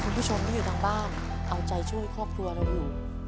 คุณผู้ชมที่อยู่ทางบ้านเอาใจช่วยครอบครัวเราอยู่